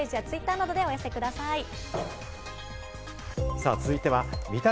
番組ホームページやツイッターなどからお寄せください。